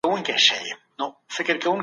شتمن د غریبانو له کار څخه ګټه اخلي.